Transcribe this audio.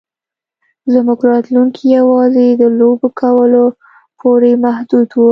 زموږ راتلونکی یوازې د لوبو کولو پورې محدود و